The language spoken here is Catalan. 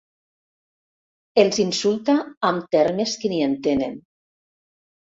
Els insulta amb termes que ni entenen.